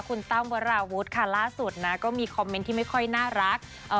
คุณตั้มวราวุฒิค่ะล่าสุดนะก็มีคอมเมนต์ที่ไม่ค่อยน่ารัก